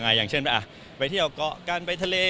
อย่างเช่นไปเที่ยวเกาะกันไปทะเล